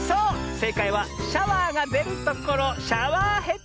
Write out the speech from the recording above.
せいかいはシャワーがでるところシャワーヘッド。